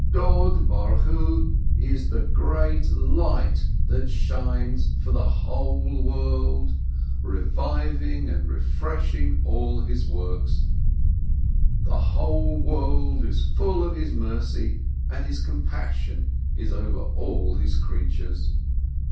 God, blessed be He, is the great light that shines for the whole world, reviving and refreshing all His works. The whole world is full of His mercy, and His compassion is over all His creatures.